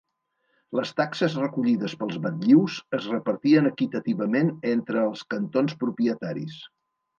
Les taxes recollides pels batllius es repartien equitativament entre els cantons propietaris.